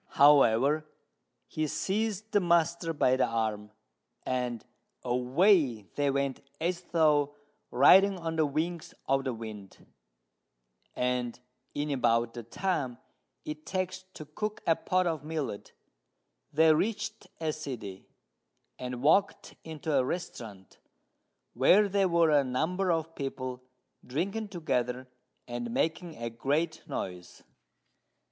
However, he seized the master by the arm, and away they went as though riding on the wings of the wind; and, in about the time it takes to cook a pot of millet, they reached a city, and walked into a restaurant, where there were a number of people drinking together and making a great noise.